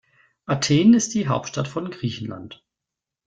Athen ist die Hauptstadt von Griechenland.